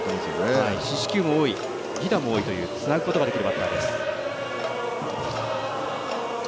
四死球も多い、犠打も多いというつなぐことができるバッターです。